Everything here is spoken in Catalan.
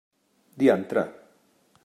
Diantre!